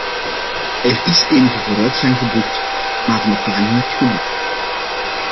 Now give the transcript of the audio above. Er is enige vooruitgang geboekt, maar nog lang niet genoeg.